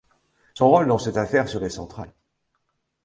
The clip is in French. Son rôle dans cette affaire serait central.